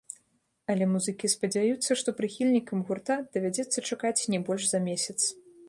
Але музыкі спадзяюцца, што прыхільнікам гурта давядзецца чакаць не больш за месяц.